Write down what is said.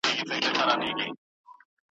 ډک له اوره مي لړمون دی نازوه مي `